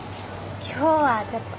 今日はちょっと。